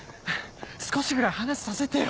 少しぐらい話させてよ。